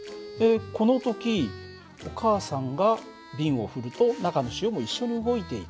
この時お母さんが瓶を振ると中の塩も一緒に動いていく。